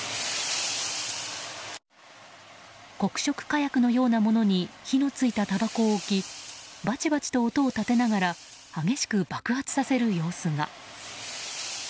黒色火薬のようなものに火をついたたばこを置きバチバチと音を立てながら激しく爆発させる様子が。